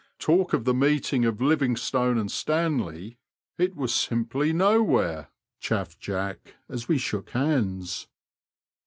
Talk of the meeting of Livingstone and Stanley — ^it was simply nowhere,*' chaffed Jack, as we shook hands.